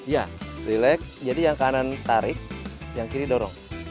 ya relax jadi yang kanan tarik yang kiri dorong